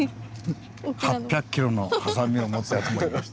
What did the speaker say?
８００ｋｇのハサミを持つやつもいました。